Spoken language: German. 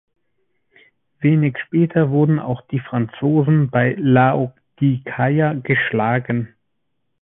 Wenig später wurden auch die Franzosen bei Laodikeia geschlagen.